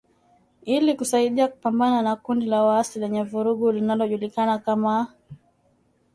ili kusaidia kupambana na kundi la waasi lenye vurugu linalojulikana kama